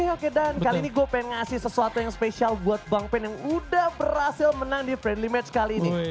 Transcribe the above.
oke dan kali ini gue pengen ngasih sesuatu yang spesial buat bang pen yang udah berhasil menang di friendly match kali ini